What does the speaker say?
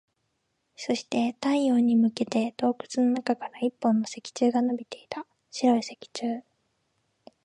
そして、太陽に向けて洞窟の中から一本の石柱が伸びていた。白い石柱。